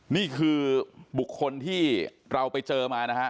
นี่คือบุคคลที่เราไปเจอมานะฮะ